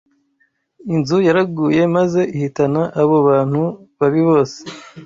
inzu yaraguye maze ihitana abo bantu babi bose